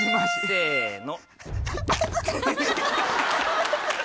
せの。